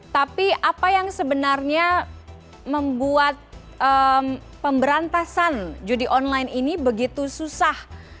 tapi apa yang sebenarnya membuat pemberantasan judi online ini begitu susah